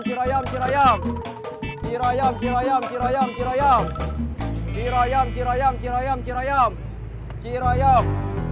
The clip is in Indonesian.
cirayam cirayam cirayam cirayam cirayam cirayam cirayam cirayam cirayam cirayam